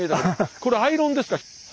これアイロンですか。